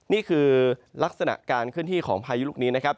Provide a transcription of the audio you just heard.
นี่คือลักษณะการเคลื่อนที่ของพายุลูกนี้นะครับ